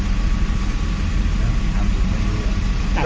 ถ้าถามจริงไม่ได้จริง